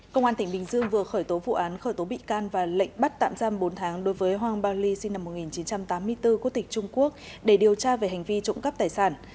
công an tỉnh bình dương vừa khởi tố vụ án khởi tố bị can và lệnh bắt tạm giam bốn tháng đối với hoàng bao ly sinh năm một nghìn chín trăm tám mươi bốn quốc tịch trung quốc để điều tra về hành vi trộm cắp tài sản